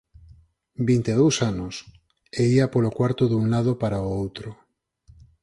«Vinte e dous anos!» E ía polo cuarto dun lado para o outro…